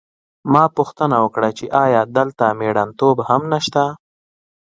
ما پوښتنه وکړه چې ایا دلته مېړنتوب هم نشته